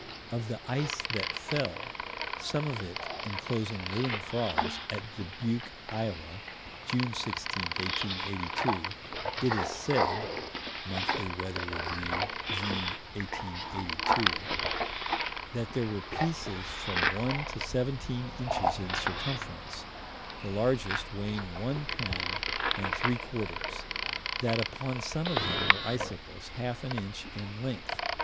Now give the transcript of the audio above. Of the ice that fell, some of it enclosing living frogs, at Dubuque, Iowa, June 16, 1882, it is said (Monthly Weather Review, June, 1882) that there were pieces from one to seventeen inches in circumference, the largest weighing one pound and three quarters that upon some of them were icicles half an inch in length.